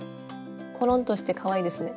ころんとしてかわいいですね。